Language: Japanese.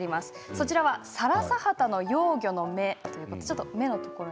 こちらはサラサハタの幼魚の目ということです。